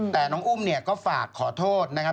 แต่น้องอุ้มเนี่ยก็ฝากขอโทษนะครับ